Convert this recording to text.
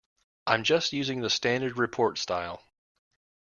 I'm just using the standard report style.